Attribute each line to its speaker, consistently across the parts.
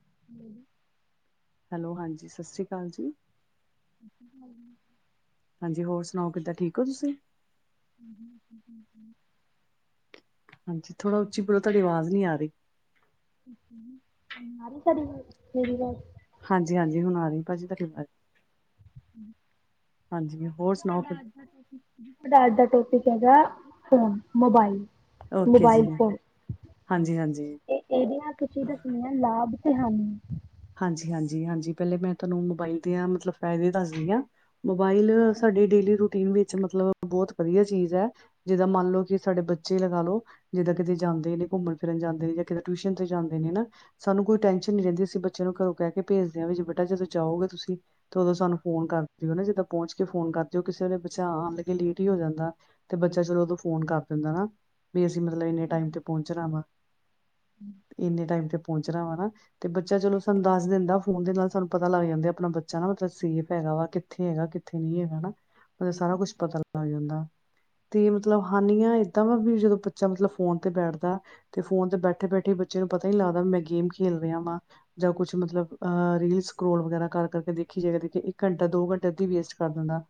Speaker 1: ਹ [unintelligible]
Speaker 2: ਹੈਲੋ, ਹਾਂਜੀ ਸਤਿ ਸ਼੍ਰੀ ਅਕਾਲ ਜੀ
Speaker 1: ਅ [unintelligible]
Speaker 2: ਹਾਂਜੀ ਹੋਰ ਸੁਣਾਓ ਕਿੱਦਾਂ ਠੀਕ ਹੋ ਤੁਸੀਂ
Speaker 1: ਹੂੰ -ਹੂੰ -ਹੂੰ- ਹੂੰ- ਹੂੰ
Speaker 2: ਹਾਂਜੀ ਥੋੜ੍ਹਾ ਉੱਚੀ ਬੋਲੋ, ਤੁਹਾਡੀ ਆਵਾਜ਼ ਨਹੀਂ ਆ ਰਹੀ
Speaker 1: ਨਾਲ ਹੀ ਸਾਡੀ ਫੇਰੀ
Speaker 2: ਹਾਂਜੀ -ਹਾਂਜੀ ਹੁਣ ਆ ਰਹੀ ਭਾਜੀ ਤੁਹਾਡੀ ਆਵਾਜ
Speaker 1: ਹਮ
Speaker 2: ਹਾਂਜੀ, ਹੋਰ ਸੁਣਾਓ ਕਿ
Speaker 1: ਤੁਹਾਡਾ ਅੱਜ ਦਾ ਟੋਪਿਕ ਕੀ ਹੈ? ਸਾਡਾ ਅੱਜ ਦਾ ਟੋਪਿਕ ਹੈਗਾ ਫੋਨ ਮੋਬਾਈਲ
Speaker 2: ਓਕੇ
Speaker 1: ਮੋਬਾਈਲ
Speaker 2: ਜੀ
Speaker 1: ਫੋਨ
Speaker 2: ਹਾਂਜੀ ਹਾਂਜੀ
Speaker 1: ਇਹ ਇਹਦੀਆਂ ਤੁਸੀਂ ਦੱਸਣੀਆਂ ਲਾਭ ਤੇ ਹਾਨੀ
Speaker 2: ਹਾਂਜੀ- ਹਾਂਜੀ- ਹਾਂਜੀ ਪਹਿਲੇ ਮੈਂ ਤੁਹਾਨੂੰ ਮੋਬਾਈਲ ਦੀਆਂ ਮਤਲਬ ਫਾਇਦੇ ਦੱਸਦੀ ਹਾਂ ਮੋਬਾਈਲ ਸਾਡੇ ਡੇਲੀ ਰੂਟੀਨ ਵਿੱਚ ਮਤਲਬ ਬਹੁਤ ਵਧੀਆ ਚੀਜ਼ ਹੈ ਜਿੱਦਾਂ ਮੰਨ ਲੋ ਕਿ ਸਾਡੇ ਬੱਚੇ ਲਗਾ ਲਓ ਜਿੱਦਾਂ ਕਿਤੇ ਜਾਂਦੇ ਨੇ ਘੁੰਮਣ ਫਿਰਨ ਜਾਂਦੇ ਨੇ ਜਾਂ ਕਿਤੇ ਟਿਊਸ਼ਨ ਤੇ ਜਾਂਦੇ ਨੇ ਨਾ ਸਾਨੂੰ ਕੋਈ ਟੈਨਸ਼ਨ ਨੀ ਰਹਿੰਦੀ ਅਸੀਂ ਬੱਚੇ ਬੱਚਿਆਂ ਨੂੰ ਘਰੋਂ ਕਹਿ ਕੇ ਭੇਜਦੇ ਵੀ ਜੇ ਬੇਟਾ ਜਦੋਂ ਜਾਓਗੇ ਤੁਸੀਂ ਤੇ ਉਦੋਂ ਸਾਨੂੰ ਫੋਨ ਕਰ ਦਿਓ ਨਾ ਜਿੱਦਾਂ ਪਹੁੰਚ ਕੇ ਫੋਨ ਕਰ ਦਿਓ ਕਿਸੇ ਵੇਲੇ ਬਚਾ ਆਉਣ ਲੱਗੇ ਲੇਟ ਹੀ ਹੋ ਜਾਂਦਾ ਤੇ ਬੱਚਾ ਚਲੋ ਦੋਂ ਫੋਨ ਕਰ ਦਿੰਦਾ ਨਾ ਵੀ ਅਸੀਂ ਮਤਲਬ ਇੰਨੇ ਟਾਈਮ ਤੇ ਪਹੁੰਚਣਾ ਵਾ ਇੰਨੇ ਟਾਈਮ ਤੇ ਪਹੁੰਚਣਾ ਵਾ ਤੇ ਬੱਚਾ ਚਲੋ ਸਾਨੂੰ ਦੱਸ ਦਿੰਦਾ ਫੋਨ ਦੇ ਨਾਲ ਸਾਨੂੰ ਪਤਾ ਲੱਗ ਜਾਂਦਾ ਆਪਣਾ ਬੱਚਾ ਨਾ ਮਤਲਬ ਸੇਫ ਹੈਗਾ ਵਾ ਕਿੱਥੇ ਹੈਗਾ ਉੱਥੇ ਨੀ ਹੈਗਾਾ ਮਤਲਬ ਸਾਰਾ ਕੁੱਛ ਪਤਾ ਲੱਗ ਜਾਂਦਾ ਤੇ ਮਤਲਬ ਹਾਨੀਆਂ ਏਦਾਂ ਵਾ ਵੀ ਜਦੋਂ ਬੱਚਾ ਮਤਲਬ ਫੋਨ ਤੇ ਬੈਠਦਾ ਤੇ ਫੋਨ ਤੇ ਬੈਠੇ -ਬੈਠੇ ਬੱਚੇ ਨੂੰ ਪਤਾ ਨੀ ਲੱਗਦਾ ਮੈਂ ਗੇਮ ਖੇਲ ਰਿਹਾ ਵਾ ਜਾਂ ਕੁਛ ਮਤਲਬ ਰੀਲ ਸਕੋਲ ਵਗੈਰਾ ਕਰ ਕਰਕੇ ਦੇਖੀ ਜਾ ਦੇ ਇੱਕ ਘੰਟਾ, ਦੋ ਘੰਟਾ ਵੇਸਟ ਕਰ ਦਿੰਦਾ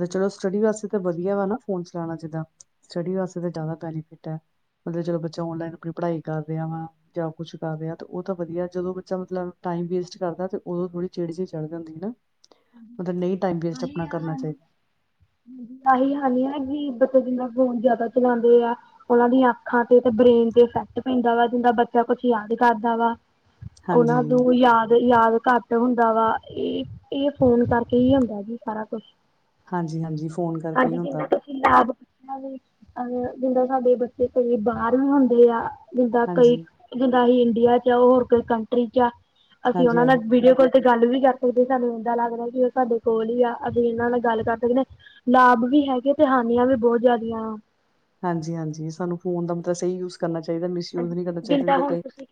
Speaker 2: ਤ ਚਲੋ ਸਟੱਡੀ ਵਾਸਤੇ ਵਧੀਆ ਵਾ ਨਾ ਫੋਨ ਚਲਾਉਣਾ ਜਿਦਾਂ ਸਟੱਡੀ ਵਾਸਤੇ ਜ਼ਿਆਦਾ ਬੈਨੀਫਿਟ ਹੈ ਮਤਲਬ ਜਦੋਂ ਬੱਚਾ ਔਨਲਾਈਨ ਆਪਣੀ ਪੜ੍ਹਾਈ ਕਰ ਰਿਹਾ ਵਾ ਜਾਂ ਕੁੱਛ ਕਰ ਰਿਹਾ ਤਾਂ ਉਹ ਤਾਂ ਵਧੀਆ ਜਦੋਂ ਮਤਲਬ ਟਾਈਮ ਵੇਸਟ ਕਰਦਾ ਤੇ ਉਦੋ ਥੋੜੀ ਚਿੜ ਜਿਹੀ ਚੜ੍ਹ ਜਾਂਦੀ ਹਨਾ
Speaker 1: ਆਹੀ ਆ ਹ
Speaker 2: ਕਰਨਾ ਚਾਹੀਦਾ
Speaker 1: ਆਹੀ ਹੈ ਹਾਨੀਆ ਕਿ ਬੱਚੇ ਜਿੰਨਾ ਫੋਨ ਜਿਆਦਾ ਚਲਾਉਂਦੇ ਆ ਉਹਨਾਂ ਦੀਆਂ ਅੱਖਾਂ ਤੇ ਤੇ ਬ੍ਰੇਨ ਤੇ ਇਫੈਕਟ ਪੈਂਦਾ ਵਾ ਜਿੰਦਾ ਬੱਚਾ ਕੁਛ ਯਾਦ ਕਰਦਾ ਵਾ ਉਹਨਾਂ
Speaker 2: ਹਾਂਜੀ
Speaker 1: ਨੂੰ ਯਾਦ, ਯਾਦ ਘੱਟ ਹੁੰਦਾ ਵਾ ਇਹ ਇਹ ਫੋਨ ਕਰਕੇ ਹੀ ਹੁੰਦਾ ਜੀ ਸਾਰਾ ਕੁਛ
Speaker 2: ਹਾਂਜੀ- ਹਾਂਜੀ ਫੋਨ ਕਰਕੇ ਹੀ
Speaker 1: ਹਾਂਜੀ
Speaker 2: ਹੁੰਦਾ
Speaker 1: ਜਿੰਨਾ
Speaker 2: ਵਾ
Speaker 1: ਕੁਸੀ ਲ [unintelligible] ਬੱਚਿਆਂ ਦੇ ਅ ਜਿੱਦਾਂ ਸਾਡੇ ਬੱਚੇ ਕਈ ਬਾਹਰ ਵੀ ਹੁੰਦੇ ਆ। ਜਿੰਦ ਕਈ
Speaker 2: ਹਾਂਜੀ
Speaker 1: ਜਿਦਾਂ ਅਸੀਂ ਇੰਡੀਆ ਚ, ਉਹ ਹੋਰ ਕੋਈ ਕੰਟਰੀ ਚ ਆ, ਅਸੀਂ
Speaker 2: ਹਾਂਜੀ
Speaker 1: ਉਹਨਾਂ ਨਾਲ
Speaker 2: ਹਾਂਜੀ
Speaker 1: ਵੀਡੀਓ ਕਾੱਲ ਤੇ ਗੱਲ ਵੀ ਕਰ ਸਕਦੇ, ਸਾਨੂੰ ਇੱਦਾਂ ਲੱਗਦਾ ਕਿ ਉਹ ਸਾਡੇ ਕੋਲ ਹੀ ਆ, ਅਸੀਂ ਇਹਨਾਂ ਨਾਲ ਗੱਲ ਕਰ ਸਕਣੇ। ਲਾਭ ਵੀ ਹੈਗੇ ਤੇ ਹਾਨੀਆਂ ਵੀ ਬਹੁਤ ਜ਼ਿਆਦੀਆਂ ਵ
Speaker 2: ਹਾਂਜੀ ਹਾਂਜੀ, ਸਾਨੂੰ ਫੋਨ ਦਾ ਮਤਲਬ ਸਹੀ ਯੂਜ ਕਰਨਾ ਚਾਹੀਦਾ।
Speaker 1: ਹਾਂਜੀ,
Speaker 2: ਮਿਸਯੂਜ ਨਈਂ ਕਰਨਾ ਚਾਹੀਦਾ, ਜਿੱਦਾਂ
Speaker 1: ਹੁਣ
Speaker 2: ਕਈ
Speaker 1: ਤੁਸੀਂ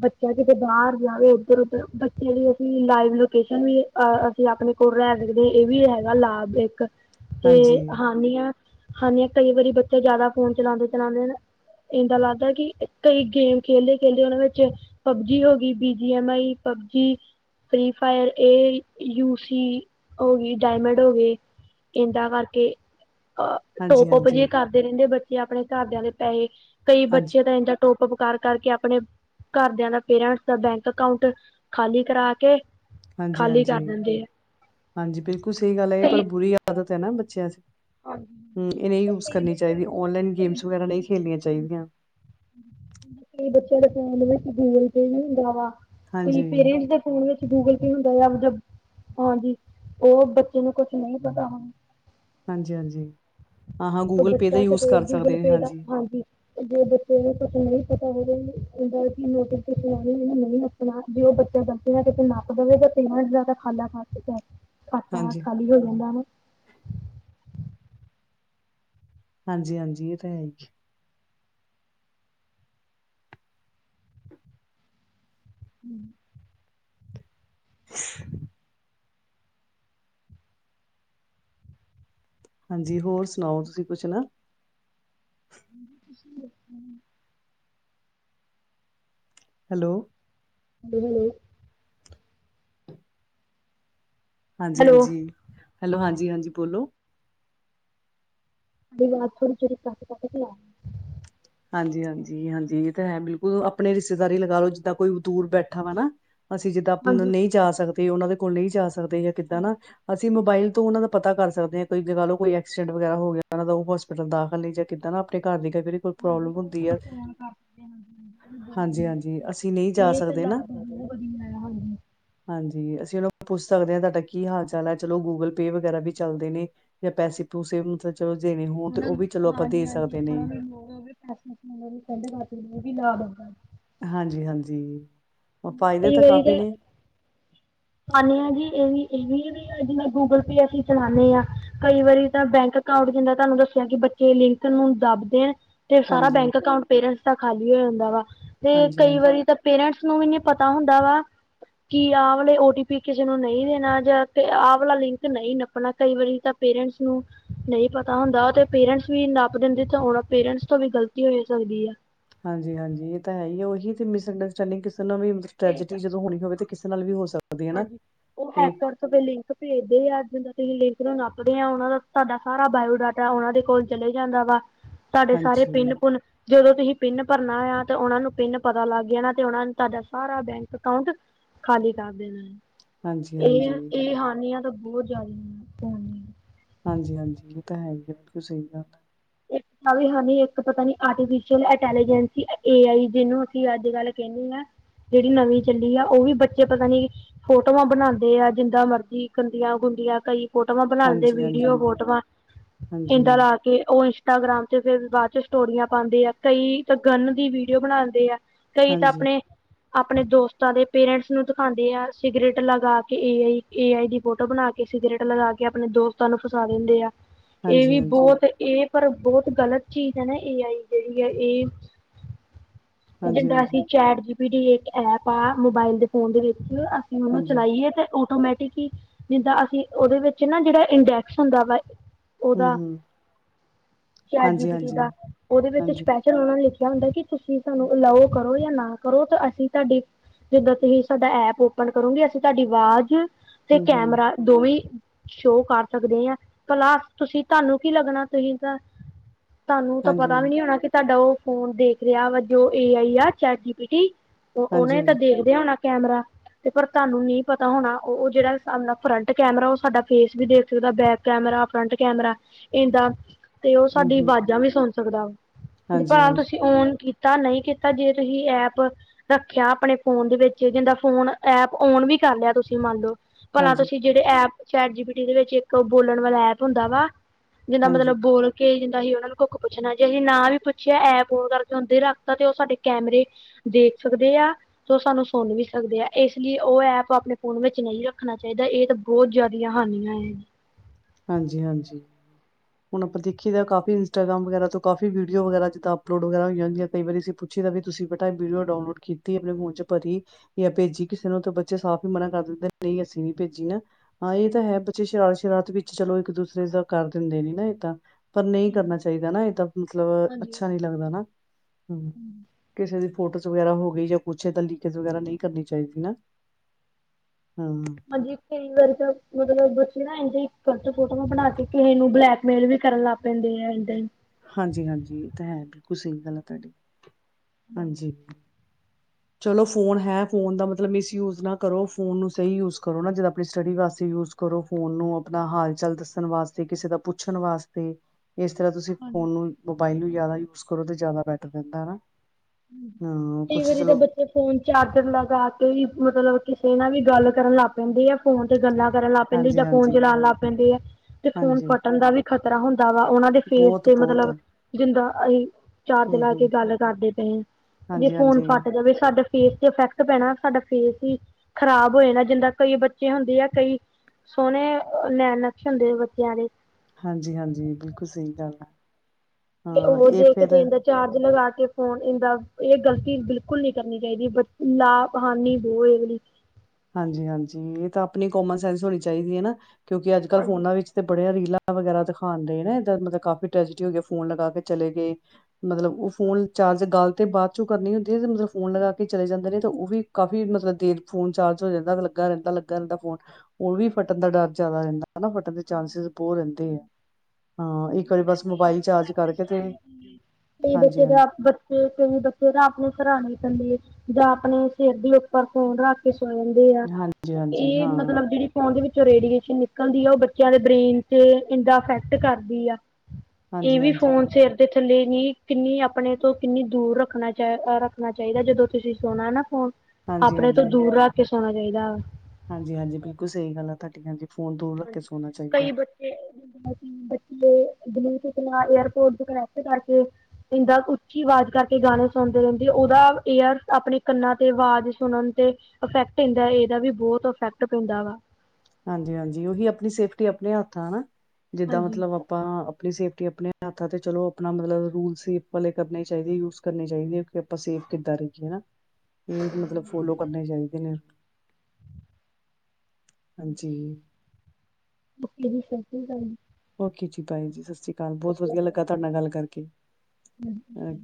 Speaker 1: ਬੱਚਾ ਕਿਤੇ ਬਾਹਰ ਜਾਵੇ ਇੱਧਰ-ਉੱਧਰ, ਬੱਚੇ ਦੀ ਅਸੀਂ ਲਾਈਵ ਲੋਕੇਸ਼ਨ ਵੀ ਅ ਅਸੀਂ ਆਪਣੇ ਕੋਲ ਰਹਿ ਸਕਦੇ, ਇਹ ਵੀ ਹੈਗਾ ਲਾਭ ਇੱਕ ਤੇ
Speaker 2: ਹਾਂਜੀ
Speaker 1: ਹਾਨੀ ਆ ਹਾਂਜੀ, ਕਈ ਵਾਰੀ ਬੱਚੇ ਜ਼ਿਆਦਾ ਫੋਨ ਚਲਾਉਂਦੇ ਚਲਾਉਦੇ ਨੇ ਇੰਦਾਂ ਲੱਗਦਾ ਕਿ ਕਈ ਗੇਮ ਖੇਲਦੇ-ਖੇਲਦੇ ਉਹਨਾਂ ਵਿੱਚ ਪਬਜੀ ਹੋ ਗਈ ਬੀਜੀ M I PUBG. Free fire ਇਹ ਯੂਸੀ ਹੋ ਗੀ ਡਾਇਮੰਡ ਹੋਗੇ। ਏਦਾਂ ਕਰਕੇ ਅ
Speaker 2: ਹਾਂਜੀ ਹਾਂਜੀ
Speaker 1: ਟੋਪ ਅਪ ਜੇ
Speaker 2: ਹਾਂਜੀ
Speaker 1: ਕਰਦੇ ਰਹਿੰਦੇ, ਬੱਚੇ ਆਪਣੇ ਘਰਦਿਆਂ ਦੇ ਪੈਸੇ ਕਈ ਬੱ
Speaker 2: ਹਾਂਜੀ
Speaker 1: ਜਾਂ ਟੋਪ ਅਪ ਕਰ ਕਰਕੇ ਆਪਣੇ ਘਰਦਿਆਂ ਦਾ ਪੇਰੈਂਟਸ ਦਾ ਬੈਂਕ ਅਕਾਊਂਟ ਖਾਲੀ ਕਰਾ ਕੇ
Speaker 2: ਹਾਂਜੀ,
Speaker 1: ਖਾਲੀ ਕਰ
Speaker 2: ਹਾਂਜੀ,
Speaker 1: ਦਿੰਦੇ ਆ
Speaker 2: ਹਾਂਜੀ ਬਿਲਕੁਲ ਸਹੀ ਗੱਲ ਹੈ। ਇਹ ਪਰ ਬੁਰੀ ਆਦਤ ਹੈ ਨਾ ਬੱਚਿਆਂ ਚ
Speaker 1: ਹਾਂ।
Speaker 2: ਹਂ, ਇਹ ਨਈਂ ਯੂਜ ਕਰਨੀ ਚਾਹੀਦੀ, ਆਨਲਾਈਨ
Speaker 1: ਕਈ
Speaker 2: ਗੇਮਸ ਵਗੈਰਾ
Speaker 1: ਬੱਚਿਆਂ
Speaker 2: ਨਈਂ
Speaker 1: ਨੂੰ
Speaker 2: ਖੇਲਣੀਆਂ
Speaker 1: ਹਾਂਜੀ,
Speaker 2: ਚਾਹੀਦੀਆਂ।
Speaker 1: ਕਈ ਬੱਚਿਆਂ ਦੇ ਫੋਨ ਵਿੱਚ ਗੂਗਲ ਪੇ ਵੀ ਹੁੰਦਾ ਵਾ,
Speaker 2: ਹਾਂਜੀ
Speaker 1: ਕਈ ਪੇਰੈਂਟਸ ਦੇ ਫੋਨ ਵਿੱਚ ਗੂਗਲ ਪੇ ਹੁੰਦਾ ਵਾ ਮਤਲਬ, ਹਾਂਜੀ, ਉਹ ਬੱਚੇ ਨੂੰ ਕੁਛ ਨਹੀਂ ਪਤਾ ਹੁਣ
Speaker 2: ਹਾਂਜੀ ਹਾਂਜੀ। ਹਾਂ-ਹਾਂ
Speaker 1: ਤੇ
Speaker 2: ਗੂਗਲ ਪੇ ਦਾ
Speaker 1: ਬੱਚਾ
Speaker 2: ਯੂਜ
Speaker 1: ਕਦੇ
Speaker 2: ਕਰ
Speaker 1: ਗੂਗਲ
Speaker 2: ਸਕਦੇ ਨੇ
Speaker 1: ਪੇ ਦਾ ਹਾਂਜੀ ਜੇ ਬੱਚੇ ਨੂੰ ਕੁਛ ਨਈਂ ਪਤਾ ਹੋਵੇ [unintelligible] ਨਾ ਜੇ ਉਹ ਬੱਚਾ ਬ ਨਾ ਕਿਤੇ ਨੱਪ ਦੇਵੇਗਾ ਤੇ ਜ਼ਿਆਦਾ ਖਾਲਾ ਖਾ ਕੇ [unintelligible] ਖਾਤਾ ਖਾਲੀ ਹੋ ਜਾਂਦਾ ਆ ਨਾਂ।
Speaker 2: ਹਾਂਜੀ, ਹਾਂਜੀ, ਇਹ ਤਾਂ ਹੈ ਈ।
Speaker 1: ਹਂ
Speaker 2: [unintelligible] ਹਾਂਜੀ, ਹੋਰ ਸੁਣਾਓ, ਤੁਸੀਂ ਕੁਛ ਨਾਂ।
Speaker 1: ਹ ਤੁਸੀ [unintelligible]
Speaker 2: ਹੈਲੋ।
Speaker 1: [unintelligible]
Speaker 2: ਹਾਂਜੀ
Speaker 1: ਹੈਲੋ
Speaker 2: ਹਾਂਜੀ, ਹੈਲੋ ਹਾਂਜੀ, ਹਾਂਜੀ ਬੋਲੋ।
Speaker 1: ਆਵਾ ਥੋੜੀ ਚਿਰੀ ਪਾ ਕੇ ਆ [unintelligible]
Speaker 2: ਹਾਂਜੀ, ਹਾਂਜੀ, ਹਾਂਜੀ ਇਹ ਤਾਂ ਹੈ ਬਿਲਕੁਲ ਆਪਣੇ ਰਿਸ਼ਤੇਦਾਰੀ ਲਗਾ ਲਓ ਜਿੱਦਾਂ ਕੋਈ ਦੂਰ ਬੈਠਾ ਵਾ ਨਾਂ। ਅਸੀਂ ਜਿੱਦਾਂ
Speaker 1: ਹਾਂਜੀ
Speaker 2: ਨਹੀਂ ਜਾ ਸਕਦੇ, ਉਹਨਾਂ ਦੇ ਕੋਲ ਨਹੀਂ ਜਾ ਸਕਦੇ, ਜਾਂ ਕਿੱਦਾਂ
Speaker 1: ਹਾਂਜੀ
Speaker 2: ਨਾ ਅਸੀਂ। ਅਸੀ ਮੋਬਾਇਲ ਤੋਂ ਉਹਨਾਂ ਦਾ ਪਤਾ ਕਰ ਸਕਦੇ ਆਂ, ਕੋਈ ਜਗਗਾ ਲਓ ਕੋਈ ਐਕਸੀਡੈਂਟ ਵਗੈਰਾ ਹੋ ਗਿਆ ਉਹਨਾਂ ਦਾ ਉਹ ਹੋਸਪਿਟਲ ਦਾਖ਼ਲ ਨਹੀਂ ਜਾਂ ਕਿਦਾਂ ਨਾਂ ਆਪਾਂ ਤੇ ਘਰ ਦੀ ਕਈ ਵਾਰੀ ਕੋਈ
Speaker 1: ਹਾਂਜੀ,
Speaker 2: ਪ੍ਰੋਬਲਮ ਹੁੰਦੀ
Speaker 1: ਉਸ ਨੂੰ ਫੋਨ ਕਰਦੇ [unintelligible]
Speaker 2: ਹਾਂਜੀ, ਹਾਂਜੀ ਅਸੀਂ ਨਈਂ
Speaker 1: ਇਹ ਤਾਂ ਇਲਾਜ ਬਹੁਤ ਵਧੀਆ। ਹਾਂਜੀ।
Speaker 2: ਹਾਂਜੀ ਅਸੀਂ ਹੁਣ ਪੁੱਛ ਸਕਦੇ ਆ, ਤੁਹਾਡਾ ਕੀ ਹਾਲ ਚਾਲ ਹੈ ਚਲੋ ਗੂਗਲ ਪੇ ਵਗੈਰਾ ਵੀ ਚੱਲਦੇ ਨੇ। ਜਾਂ ਪੈਸੇ ਪੂਸੇ ਮਤਲਬ ਚਲੋ ਦੇਣੇ ਹੋਣ ਤੇ
Speaker 1: ਉਹਨਾਂ
Speaker 2: ਉਹ ਵੀ
Speaker 1: ਨੂੰ
Speaker 2: ਚਲੋ ਆਪਾਂ ਦੇ
Speaker 1: ਹਾਂਜੀ ਹਾਂਜੀ
Speaker 2: ਸਕਦੇ ਨੇ।
Speaker 1: ਉਹਨਾਂ ਨੂੰ [unintelligible]
Speaker 2: ਹਾਂਜੀ, ਹਾਂਜੀ ਫਾਇਦੇ ਤਾਂ ਕਾਫੀ ਨੇਂ।
Speaker 1: ਹਾਂਜੀ, ਹਾਂਜੀ ਇਹਵੀ, ਇਹ ਵੀ ਨੇਂ। ਜਿਵੇਂ ਗੂਗਲ ਪੇ ਅਸੀਂ ਚਲਾਨੇ ਆਂ, ਕਈ ਵਾਰੀ ਤਾਂ ਬੈਂਕ ਅਕਾਊਂਟ ਜਿੰਨਾ ਤੁਹਾਨੂੰ ਦੱਸਿਆ ਕੀ ਬੱਚ ਇਹ ਲਿੰਕ ਨੂੰ ਦੱਬਦੇ ਆ। ਤੇ ਸਾਰਾ
Speaker 2: ਹਾਂਜੀ,
Speaker 1: ਬੈਂਕ ਅਕਾਊਂਟ ਪੇਰੈਂਟਸ ਦਾ ਖਾਲੀ ਹੋ ਹੁੰਦਾ ਵਾ ਤੇ ਕਈ
Speaker 2: ਹਾਂਜੀ-ਹਾਂਜੀ,
Speaker 1: ਵਾਰੀ ਤਾਂ। ਪੇਰੈਂਟਸ ਨੂੰ ਵੀ ਨੀ ਪਤਾ ਹੁੰਦਾ ਵਾ ਕਿ ਆ ਵਾਲੇ। ਕਿਸੇ ਨੂੰ ਨਹੀਂ ਦੇਣਾ ਜਾਂ, ਆ ਵਾਲਾ ਲਿੰਕ ਨਹੀਂ ਨੱਪਣਾ ਕਈ ਵਾਰੀ ਤਾਂ ਪੇਰੈਂਟਸ ਨੂੰ ਨਹੀਂ ਪਤਾ ਹੁੰਦਾ ਤੇ ਪੇਰੈਂਟਸ ਵੀ ਨੱਪ ਦਿੰਦੇ ਤਾਂ ਉਨਾ ਪੇਰੈਂਟਸ ਤੋਂ ਵੀ ਗ਼ਲਤੀ ਹੋ ਸਕਦੀ ਹੈ।
Speaker 2: ਹਾਂਜੀ ਹਾਂਜੀ ਇਹ ਤਾਂ ਹੈ ਹੀ ਹੈ। ਉਹੀ ਤੇ ਮਿਸ ਅੰਡਰਸਟੈਂਡਿੰਗ ਕਿਸੇ ਨਾਲ ਵੀ
Speaker 1: ਇਹ ਤਾਂ
Speaker 2: ਟ੍ਰੈਜਡੀ ਜਦੋਂ ਹੋਣੀ ਹੋਵੇ ਤੇ ਕਿਸ। ਕਿਸੇ ਨਾਲ ਵੀ ਹੋ ਸਕਦਾ।
Speaker 1: ਹਾਂਜੀ ਉਹ ਹੈ ਲਿੰਕ ਭੇਜਦੇ ਆ, ਜਿੱਦਾਂ ਤੁਸੀਂ ਲਿੰਕ ਨੂੰ ਨੱਪਦੇ ਆ ਉਹਨਾ ਦਾ ਤੁਹਾਡਾ ਸਾਰਾ ਬਾਇਓਡਾਟਾ ਤਾਂ ਉਹਨਾਂ ਦੇ ਕੋਲ ਚਲੇ ਜਾਂਦਾ ਵਾ ਤੁਹਾਡੇ ਸਾਰੇ ਪਿੰਨ
Speaker 2: ਹਾਂਜੀ,
Speaker 1: ਪੁੰਨ ਜਦੋਂ ਤੁਸੀਂ ਪਿੰਨ ਭਰਨਾ ਆ ਤੇ ਉਹਨਾਂ ਨੂੰ ਪਿੰਨ ਪਤਾ ਲੱਗ ਜਾਣਾ ਤੇ ਉਹਨਾਂ ਨੇ ਤੁਹਾਡਾ ਸਾਰਾ ਬੈਂਕ ਅਕਾਊਂਟ। ਖਾਲੀ ਕਰ ਦੇਣਾ
Speaker 2: ਹਾਂਜੀ-ਹਾਂਜੀ,
Speaker 1: ਇਹ-ਇਹ ਹਾਨੀਆਂ ਤਾਂ ਬਹੁਤ ਜਿਆਦਾ
Speaker 2: ਹਾਂਜੀ, ਹਾਂਜੀ ਇਹ ਤਾਂ ਹੈ ਬਿਲਕੁਲ ਸਹੀ ਗੱਲ।
Speaker 1: ਆ ਵੀ ਹਨੀ ਇੱਕ ਪਤਾ ਨਹੀਂ ਆਰਟੀਫਿਸ਼ਅਲ ਇਟਾਲੀਜਸੀ ਏ ਆਈ ਜਿਹਨੂੰ ਅਸੀਂ ਅੱਜ ਗੱਲ ਕਹਿੰਦੇ ਆ। ਜਿਹੜੀ ਨਵੀਂ ਚੱਲੀ ਆ ਉਹ ਵੀ ਬੱਚੇ ਪਤਾ ਨੀ ਫੋਟੋਆਂ ਬਣਾਉਂਦੇ ਆ ਜਿੰਦਾਂ ਮਰਜ਼ੀ ਗੰਦੀਆਂ, ਗੁੰਦੀਆਂ ਕਈ ਫੋਟੋਆਂ ਬਣਾ ਦੇ
Speaker 2: ਹਾਂਜੀ-ਹਾਂਜੀ,
Speaker 1: ਵੀਡੀਓ, ਫੋਟੋਆਂ
Speaker 2: ਹਾਂਜੀ,
Speaker 1: ਇਦਾਂ ਲਾ ਕੇ ਉਹ ਇੰਸਟਾਗ੍ਰਾਮ ਤੇ ਫਿਰ ਬਾਅਦ ਚੋਂ ਸਟੋਰੀਆਂ ਪਾਂਦੇ ਐ। ਕਈ ਗਨ ਦੀ ਵੀਡੀਓ ਬਣਾਂਦੇਆ। ਕਈ ਤਾਂ
Speaker 2: ਹਾਂਜੀ,
Speaker 1: ਆਪਣੇ, ਆਪਣੇ ਦੋਸਤਾਂ ਦੇ ਪੇਰੈਂਟਸ ਨੂੰ ਦਿਖਾਂਦੇ ਐ ਸਿਗਰਟ ਲਗਾ ਕੇ। ਏ ਆਈ ਏ ਆਈ ਦੀ ਫੋਟੋ ਬਣਾ ਕੇ, ਸਿਗਰੇਟ ਲਗਾ ਕੇ ਆਪਣੇ ਦੋਸਤਾਂ ਨੂੰ ਫਸਾ ਦਿੰਦੇ ਐ। ਇਹ ਵੀ
Speaker 2: ਹਾਂਜੀ-ਹਾਂਜੀ,
Speaker 1: ਬਹੁਤ ਇਹ ਪਰ ਬਹੁਤ ਗ਼ਲਤ ਚੀਜ਼ ਐ ਨਾਂ, ਏ ਆਈ ਜਿਹੜੀ ਹੈ ਇਹ ਜਿੱਦਾਂ
Speaker 2: ਹਾਂਜੀ-ਹਾਂਜੀ
Speaker 1: ਅਸੀਂ ਚੈਟ ਜੀ ਪੀ ਡੀ ਇੱਕ ਐਪ ਆ, ਮੋਬਾਇਲ ਦੇ ਫੋਨ ਦੇ ਵਿੱਚ ਅਸੀਂ ਉਹਨੂੰ
Speaker 2: ਹਾਂਜੀ
Speaker 1: ਚਲਾਈਏ ਤੇ ਆਟੋਮੈਟਿਕ ਹੀ, ਜਿੱਦਾਂ ਅਸੀਂ ਉਹਦੇ ਵਿੱਚ ਨਾਂ ਜਿਹੜਾ ਇੰਡੈਕਸ ਹੁੰਦਾ ਵਾ
Speaker 2: ਹੂੰ
Speaker 1: ਉਹਦਾ
Speaker 2: ਹੂੰ
Speaker 1: ਚੈਟ ਜੀ
Speaker 2: ਹਾਂਜੀ
Speaker 1: ਪੀਟੀ
Speaker 2: ਹਾਂਜੀ
Speaker 1: ਦਾ, ਉਹਦੇ ਵਿੱਚ
Speaker 2: ਹਾਂਜੀ
Speaker 1: ਸਪੈਸ਼ ਉਹਨਾਂ ਨੇ ਲਿਖਿਆ ਹੁੰਦਾ ਕਿ ਤੁਸੀਂ ਸਾਨੂੰ ਅਲਓ ਕਰੋ ਜਾਂ ਨਾ ਕਰੋ ਤਾਂ ਅਸੀਂ ਤੁਹਾਡੇ ਜਿੱਦਾਂ ਤੁਸੀਂ ਸਾਡਾ ਐਪ ਓਪਨ ਕਰੋਗੇ ਅਸੀਂ ਤੁਹਾਡੀ ਆਵਾਜ਼ ਤੇ
Speaker 2: ਹੂੰ ਹੂੰ
Speaker 1: ਕੈਮਰਾ ਦੋਵੇ ਈ ਸ਼ੋਅ ਕਰ ਸਕਦੇ ਆ ਭਲਾ ਤੁਸੀਂ ਤੁਹਾਨੂੰ ਕੀ ਲੱਗਣਾ ਤੁਸੀਂ ਤਾਂ ਤੁਹਾਨੂੰ ਤਾਂ
Speaker 2: ਹਾਂਜੀ
Speaker 1: ਪਤਾ ਵੀ ਨੀ ਹੋਣਾ ਕਿ ਤੁਹਾਡਾ ਉਹ ਫੋਨ ਦੇਖ ਰਿਹਾ ਵਾ ਜੋ ਏ ਆਈ ਆ ਚੈਟ ਜੀ ਪੀ ਟੀ ਉਹ
Speaker 2: ਹਾਂਜੀ ਹਾਂਜੀ ਹਾਂਜੀ
Speaker 1: ਉਹਨੇ ਤਾਂ ਦੇਖਦੇ ਹੋਣਾ ਕੈਮਰਾ। ਤੇ ਪਰ ਤੁਹਾਨੂੰ ਨਹੀਂ ਪਤਾ ਹੋਣਾ ਉਹ ਜਿਹੜਾ ਆਪਣਾ ਫਰੰਟ ਕੈਮਰਾ ਉਹ ਸਾਡਾ ਫੇਸ ਵੀ ਦੇਖ ਸਕਦਾ ਬੈਕ ਕੈਮਰਾ ਫਰੰਟ ਕੈਮਰਾ ਏਦਾਂ ਤੇ ਉਹ
Speaker 2: ਹੂੰ
Speaker 1: ਸਾਡੀ
Speaker 2: ਹੂੰ
Speaker 1: ਆਵਾਜ਼ਾਂ ਵੀ ਸੁਣ ਸਕਦਾ ਵਾ ਜ
Speaker 2: ਹਾਂਜੀ
Speaker 1: ਭਰਾ
Speaker 2: ਹਾਂਜੀ
Speaker 1: ਤੁਸੀਂ ਓਨ ਕੀ ਤਾਂ ਨਹੀਂ ਕੀਤਾ ਜੇ ਤੁਸੀਂ ਐਪ ਰੱਖਿਆ ਆਪਣੇ ਫੋਨ ਦੇ ਵਿੱਚ ਜਿੰਦਾ ਫੋਨ ਐਪ ਓਨ ਵੀ ਕਰ ਲਿਆ ਤੁਸੀਂ ਮੰਨ ਲਓ ਭਲਾ
Speaker 2: ਹਾਂਜੀ
Speaker 1: ਤੁਸੀਂ ਜਿਹੜੇ ਐਪ ਚੈਟ ਜੀ ਬੀ ਟੀ ਦੇ ਵਿੱਚ ਇੱਕ ਬੋਲਣ ਵਾਲਾ ਐਪ ਹੁੰਦਾ ਵਾ ਜਿੰਦਾਂ
Speaker 2: ਹਾਂਜੀ
Speaker 1: ਮਤਲਬ ਬੋਲ ਕੇ ਜਿੰਦਾਂ ਅਸੀਂ ਉਹਨਾ ਨੂੰ ਕੁੱਖ ਪੁੱਛਣਾ ਜੇ ਅਸੀਂ ਨਾ ਵੀ ਪੁੱਛਿਆ ਐਪ ੳਨ ਕਰਕੇ ੳਦੇ ਹੀ ਰੱਖ ਤੇ ਉਹ ਸਾਡੇ ਕੈਮਰੇ ਦੇਖ ਸਕਦੇ ਆ। ਤੋ ਸਾਨੂੰ ਸੁਣ ਵੀ ਸਕਦੇ ਆ ਇਸ ਲਈ ਉਹ ਐਪ ਆਪਣੇ ਫੋਨ ਵਿੱਚ ਨਹੀਂ ਰੱਖਣਾ ਚਾਹੀਦਾ ਇਹ ਤਾਂ ਬਹੁਤ ਜਿਆਦੀਆਂ ਹਾਨੀਆਂ ਏ।
Speaker 2: ਹਾਂਜੀ, ਹਾਂਜੀ। ਹੁਣ ਅਪਾਂ ਦੇਖੀ ਦੈ ਕਾਫੀ ਇੰਸਟਾਗ੍ਰਾਮ ਵਗਰੈ ਤੋਂ ਕਾਫੀ ਵੀਡੀਓ ਵਗੈਰਾ ਜਿੱਦਾ ਅਪਲੋਡ ਵਗੈਰਾ ਹੋਇਆ ਹੁੰਦਿਆਂ। ਕਈ ਵਾਰੀ ਅਸੀਂ ਪੁੱਛੀ ਦਾ ਵੀ ਤੁਸੀਂ ਬੇਟਾ ਵੀਡੀਓ ਡਾਊਨਲੋਡ ਕੀਤੀ ਏ ਆਪਣੇ ਫੋਨ ਚ ਭਰੀ ਕਿ ਇਹ ਭੇਜੀ ਕਿਸੇ ਨੂੰ ਤਾਂ ਬੱਚੇ ਸਾਫ਼ ਹੀ ਮਨਾ ਕਰ ਦਿੰਦੇ ਨਹੀਂ ਅਸੀਂ ਨੀ ਭੇਜੀਆਂ। ਹਾਂ ਇਹ ਤਾਂ ਹੈ, ਬੱਚੇ ਸ਼ਰਾਰਤ, ਸ਼ਰਾਰਤ ਵਿੱਚ ਚਲੋ ਇੱਕ ਦੂਸਰੇ ਦਾ ਕਰ ਦਿੰਦੇ ਨੇ ਨਾ ਇਹ ਤਾਂ ਪਰ ਨਹੀਂ ਕਰਨਾ ਚਾਹੀਦਾ ਨਾ ਇਹ ਤਾਂ ਮਤਲਬ
Speaker 1: ਹਾਂਜੀ ਹਾਂਜੀ
Speaker 2: ਅੱਛਾ ਨਹੀਂ ਲੱਗਦਾ ਨਾ। ਹੂੰ ਕਿਸੇ ਦੀ ਫੋਟੋਜ਼ ਵਗੈਰਾ ਹੋ ਗਈ ਜਾਂ ਕੁਛ ਤਾਂ ਲੀਕੇਜ ਵਗੈਰਾ ਨਹੀਂ ਕਰਨੀ ਚਾਹੀਦੀ ਨਾ। ਹੂੰ
Speaker 1: ਹਾਂਜੀ ਕਈ ਵਾਰੀ ਤਾਂ ਮਤਲਬ ਬੱਚੇ ਨਾ ਇਝੇ ਹੀ ਫੋਟੋ ਫੋਟੋਆਂ ਬਣਾ ਕੇ ਕਿਸੇ ਨੂੰ ਬਲੈਕਮੇਲ ਵੀ ਕਰਨ ਲੱਗ ਪ ਪੈਦੇ ਆ ਏਦਾਂ ਹੀ
Speaker 2: ਹਾਂਜੀ, ਹਾਂਜੀ ਇਹ ਤਾਂ ਹੈ ਬਿਲਕੁਲ ਸਹੀ ਗੱਲ ਕਰ ਰਹੇ ਹੋ। ਹਾਂਜੀ। ਚਲੋ ਫ਼ੋਨ ਹੈ ਫੋਨ ਦਾ ਮਤਲਬ ਮਿਸਯੂਜ਼ ਨਾ ਕਰੋ ਫੋਨ ਨੂੰ ਸਹੀ ਯੂਜ਼ ਕਰੋ ਨਾ ਜਿੱਦਾਂ ਆਪਣੀ ਸਟੱਡੀ ਵਾਸਤੇ ਯੂਜ਼ ਕਰੋ ਫੋਨ ਨੂੰ ਆਪਣਾ ਹਾਲ ਚਾਲ ਦੱਸਣ ਵਾਸਤੇ ਕਿਸੇ ਦਾ ਪੁੱਛਣ ਵਾਸਤੇ ਇਸ ਤਰ੍ਹਾਂ ਤੁਸੀਂ
Speaker 1: ਹਾਂਜੀ
Speaker 2: ਫੋਨ ਨੂੰ ਮੋਬਾਈਲ ਨੂੰ ਜ਼ਿਆਦਾ ਯੂਜ ਕਰੋ ਤਾਂ ਜ਼ਿਆਦਾ ਬੈਟਰ ਰਹਿੰਦਾ ਹੈ ਨਾ‌
Speaker 1: ਕਈ ਵਾਰੀ ਤਾਂ ਬੱਚੇ ਫੋਨ ਚਾਰਜਰ ਲਗਾ ਕੇ ਵੀ ਮਤਲਬ ਕਿਸੇ ਨਾਲ ਵੀ ਗੱਲ ਕਰਨ ਲੱਗ ਪੈਂਦੇ ਆ। ਫੋਨ ਤੇ ਗੱਲਾਂ ਕਰਨ ਲੱਗ ਪੈਂਦੇ
Speaker 2: ਹਾਂਜੀ
Speaker 1: ਜਾਂ ਫੋਨ
Speaker 2: ਹਾਂਜੀ
Speaker 1: ਚਲਾਉਣ ਲੱਗ ਪੈਂਦੇ ਆ ਤੇ ਫੋਨ
Speaker 2: ਹਾਂਜੀ
Speaker 1: ਫਟਣ ਦਾ ਵੀ ਖ਼ਤਰਾ ਹੁੰਦ ਵਾ ਉਹਨਾਂ ਦੇ ਫੇਸ
Speaker 2: ਬਹੁਤ
Speaker 1: ਤੇ
Speaker 2: ਬਹੁਤ
Speaker 1: ਮਤਲਬ ਜਿੱਦਾ ਅਸੀਂ ਚਾਰਜ
Speaker 2: ਹੂੰ
Speaker 1: ਲਾ ਕੇ
Speaker 2: ਹੂੰ
Speaker 1: ਗੱਲ ਕਰਦੇ ਪਏ। ਜੇ
Speaker 2: ਹਾਂਜੀ
Speaker 1: ਫੋਨ
Speaker 2: ਹਾਂਜੀ
Speaker 1: ਫਟ ਜਾਵੇ ਸਾਡੇ ਫੇਸ ਤੇ ਇਫੈਕਟ ਪੈਣਾ ਸਾਡਾ ਫੇਸ ਹੀ ਖ਼ਰਾਬ ਹੋ ਜਾਣਾ ਜਿੱਦਾਂ ਕਈ ਬੱਚੇ ਹੁੰਦੇ ਆ ਕਈ ਸੋਹਣੇ ਨੈਣ ਨਕਸ਼ ਹੁੰਦੇ ਬੱਚਿਆਂ ਦੇ
Speaker 2: ਹਾਂਜੀ, ਹਾਂਜੀ ਬਿਲਕੁਲ ਸਹੀ ਗੱਲ ਆ।
Speaker 1: ਦੇ ਉਹ [unintelligible] ਜਖ ਤੇਦਾ ਚਾਰਜ ਲਗਾ ਕੇ ਫੋਨ ਇਦਾ ਇਹ ਗ਼ਲਤੀ ਬਿਲਕੁਲ ਨਹੀਂ ਕਰਨੀ ਚਾਹੀਦੀ ਲਾਭ ਹਾਨੀ [unintelligible] ਹੈ ਇਹਦੀ
Speaker 2: ਹਾਂਜੀ, ਹਾਂਜੀ ਇਹ ਤਾਂ ਆਪਣੀ ਕੋਮਨ ਸੈਂਸ ਹੋਣੀ ਚਾਹੀਦੀ ਏ ਨਾ ਕਿਉਂਕਿ ਅੱਜ ਕੱਲ੍ਹ
Speaker 1: ਹਾਂਜੀ।
Speaker 2: ਫੋਨਾਂ ਵਿੱਚ ਤੇ ਬੜੀਆਂ ਰੀਲਾਂ ਵਗੈਰਾ ਦਿਖਾਦੇ ਨੇ ਦ ਮਤਲਬ ਕਾਫੀ ਟਰੈਜਡੀ ਹੋ ਗਈ ਫੋਨ ਲਗਾ ਕੇ ਚਲੇ ਗਏ। ਮਤਲਬ ਉਹ ਫੋਨ ਚਾਰਜ ਗੱਲ ਤੇ ਬਾਅਦ ਚੋਂ ਕਰਨੀ ਹੁੰਦੀ ਏ ਤੇ ਮਤਲਬ ਫ਼ੋਨ ਲਗਾ ਕੇ ਚਲੇ ਜਾਂਦੇ ਨੇ ਤਾਂ ਉਹ ਵੀ ਕਾਫੀ ਮਤਲਬ ਦੇਰ ਫੋਨ ਚਾਰ ਰਹਿੰਦਾ ਲੱਗਾ ਰਹਿੰਦਾ ਲੱਗਾ ਰਹਿੰਦਾ ਫੋਨ ਉਹ ਵੀ ਫਟਣ ਦਾ ਡਰ ਜ਼ਿਆਦਾ ਰਹਿੰਦਾ ਨਾ ਫ ਦੇ ਚਾਂਸਿਸ ਬਹੁਤ ਰਹਿੰਦੇ ਐ
Speaker 1: ਕਈ ਬੱਚੇ ਦਾ
Speaker 2: ਚਾਰਜ
Speaker 1: ਆਪਣੇ
Speaker 2: ਕਰਕੇ ਤੇ
Speaker 1: ਸਰਾਣੇ ਕਈ ਬੱਚੇ ਦਾ
Speaker 2: ਹਾਂਜੀ-ਹਾਂਜੀ,
Speaker 1: ਫ ਕਈਂ ਬੱਚੇ ਤਾਂ ਆਪਣੇ ਸਰਾਣੀ ਪੈਂਦੀ ਜਾਂ ਆਪਣੇ ਸਿਰ ਦੀ ਉੱਪਰ ਫੋਨ ਰੱਖ ਸੋਂ ਜਾਂਦੇ ਆ
Speaker 2: ਹਾਂਜੀ-ਹਾਂਜੀ
Speaker 1: ਇਹ
Speaker 2: ਹਾਂ,
Speaker 1: ਮਤਲਬ ਜਿਹੜੀ ਫੋਨ ਵਿੱਚ ਰੇਡੀਏਸ਼ਨ ਨਿਕਲਦੀ ਆ ਉਹ ਬੱਚਿਆਂ ਦੇ ਬ੍ਰੇਨ ਚ ਇੰਦਾ ਇਫੈਕਟ ਕਰਦੀ ਆ ਇਹ ਵੀ
Speaker 2: ਹਾਂਜੀ-ਹਾਂਜੀ,
Speaker 1: ਫੋਨ ਚਿਰ ਤੇ ਥੱਲੇ ਨੀ ਕਿੰਨੀ ਆਪਣੇ ਤੋਂ ਕਿੰਨੀ ਦੂਰ ਰੱਖਣਾ ਚ ਰੱਖਣਾ ਚਾਹੀਦਾ, ਜਦੋਂ ਤੁਸੀਂ ਸੁਣਾ ਨਾ ਫੋਨ ਆਪਣੇ ਤੋਂ
Speaker 2: ਹਾਂਜੀ-ਹਾਂਜੀ।
Speaker 1: ਦੂਰ ਰੱਖ ਕੇ ਸੋਣਾ ਚਾਹੀਦਾ ਵ
Speaker 2: ਹਾਂਜੀ-ਹਾਂਜੀ, ਬਿਲਕੁਲ ਸਹੀ ਗੱਲ ਆ, ਤੁਹਾਡੀ ਹਾਂਜੀ ਫੋਨ ਦੂਰ ਰੱਖ ਕੇ ਸੋਣਾ ਚਾਹੀਦਾ ਹੈ।
Speaker 1: ਕਿ ਬੱਚੇ ਜੇ ਨਾਲ ਏਅਰਪੋਰਟ ਕਨੇਕਟ ਕਰਕੇ, ਇਦਾ ਉੱਚੀ ਆਵਾਜ਼ ਕਰਕੇ ਗਾਣੇ ਸੁਣਦੇ ਰਹਿੰਦੇ ਆ, ਉਹਦਾ ਏਅਰ ਆਪਣੇ ਕੰਨਾਂ ਤੇ ਆਵਾਜ਼ ਸੁਣਨ ਤੇ ਇਫੈਕਟ ਹੁੰਦਾ ਇਹਦਾ ਵੀ ਬਹੁਤ ਇਫੈਕਟ ਪੈਂਦਾ ਵਾ
Speaker 2: ਹਾਂਜੀ ਹਾਂਜੀ ਉਹੀ ਆਪਣੀ ਸੇਫਟੀ ਆਪਣੇ ਹੱਥ ਆ ਜਿੱਦਾਂ
Speaker 1: ਹਾਂਜੀ
Speaker 2: ਮਤਲਬ ਆਪਾਂ ਆਪਣੀ ਸੇਫਟੀ ਆਪਣੇ ਹੱਥਾਂ ਤੇ ਚਲੋ ਆਪਣਾ ਮਤਲਬ, ਰੂਲ ਸੇ ਵਾਲੇ ਕਰਨੇ ਹੀ ਚਾਹੀਦੇ ਯੂਜ ਕਰਨੇ ਚਾਹੀਦੇ। ਆਪਾਂ ਸੇਫ ਕਿੱਦਾਂ ਰਹੀਏ ਹਨਾ,
Speaker 1: [unintelligible]
Speaker 2: ਮਤਲਬ ਫੋਲੋ ਕਰਨੇ ਚਾਹੀਦੇ ਨੇ, ਹਾਂਜੀ,
Speaker 1: ਬੁੱਕ ਦੀ ਸਕ ਗੱਲ
Speaker 2: ਓਕੇ ਜੀ ਭਾਈ ਜੀ, ਸਤਿ ਸ਼੍ਰੀ ਅਕਾਲ ਬਹੁਤ ਵਧੀਆ ਲੱਗਾ,
Speaker 1: ਅਕਾਲ
Speaker 2: ਤੁਹਾਡ ਨਾਲ ਗੱਲ ਕਰਕੇ,
Speaker 1: ਜੀ